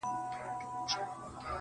• چي خمار ومه راغلی میخانه هغسي نه ده -